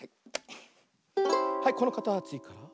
はいこのかたちから。